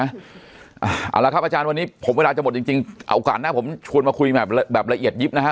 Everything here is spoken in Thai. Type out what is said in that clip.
เอาละครับอาจารย์วันนี้ผมเวลาจะหมดจริงเอาโอกาสหน้าผมชวนมาคุยแบบละเอียดยิบนะฮะ